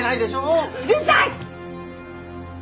うるさい！